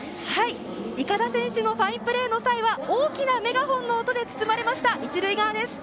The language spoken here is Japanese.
筏選手のファインプレーの際には大きなメガホンの音で包まれました、一塁側です。